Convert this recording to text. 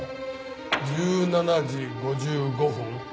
１７時５５分。